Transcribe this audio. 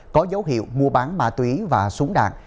có dấu hiệu mua bán ma túy và súng đạn